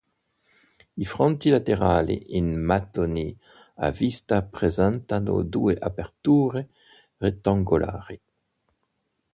I fronti laterali in mattoni a vista presentano due aperture rettangolari.